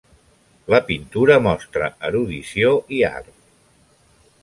La pintura mostra erudició i art.